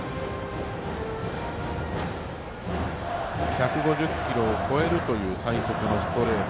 １５０キロを超えるという最速のストレート。